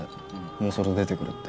もうそろ出てくるって